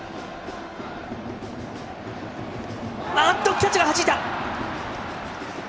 キャッチャーがはじいた！